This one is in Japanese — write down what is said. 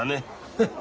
フッ。